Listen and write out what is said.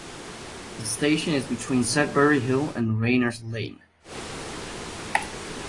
The station is between Sudbury Hill and Rayners Lane.